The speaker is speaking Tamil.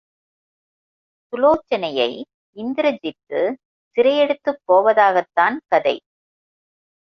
சுலோசனையை இந்திர ஜித்து சிறையெடுத்துப் போவதாகத்தான் கதை.